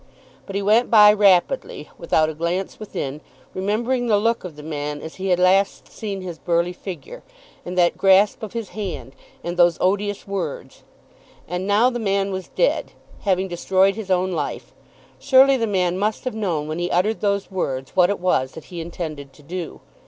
But he went by rapidly without a glance within, remembering the look of the man as he had last seen his burly figure, and that grasp of his hand, and those odious words. And now the man was dead, having destroyed his own life. Surely the man must have known when he uttered those words what it was that he intended to do!